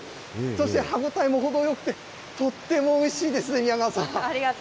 そして歯応えも程よくて、とってもおいしいですね、宮川さん。